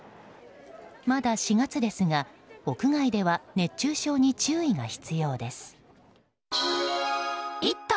まだ４月ですが屋外では熱中症に注意が必要です。